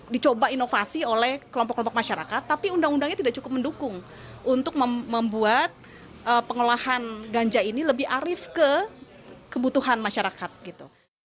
dicoba inovasi oleh kelompok kelompok masyarakat tapi undang undangnya tidak cukup mendukung untuk membuat pengolahan ganja ini lebih arif ke kebutuhan masyarakat gitu